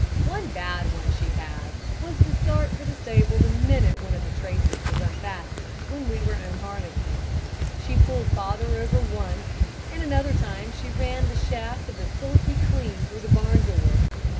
One bad one she had was to start for the stable the minute one of the traces was unfastened when we were unharnessing. She pulled father over once, and another time she ran the shaft of the sulky clean through the barn door.